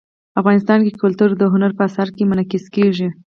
افغانستان کې کلتور د هنر په اثار کې منعکس کېږي.